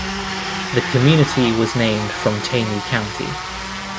The community was named from Taney County.